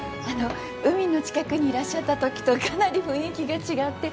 海の近くにいらっしゃった時とかなり雰囲気が違って。